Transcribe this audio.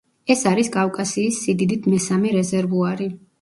ეს არის კავკასიის სიდიდით მესამე რეზერვუარი.